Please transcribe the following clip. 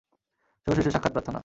Show শেষে সাক্ষাত প্রার্থনা।